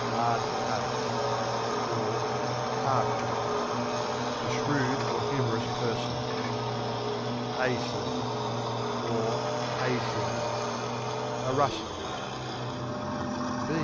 'Ard Case (Hard Case) A shrewd or humorous person. 'Ayseed (Hayseed) A rustic.